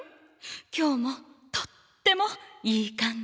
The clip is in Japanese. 今日もとってもいい感じ。